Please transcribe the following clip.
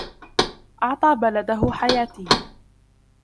أعطى بلده حياته.